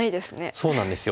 そうなんですよ。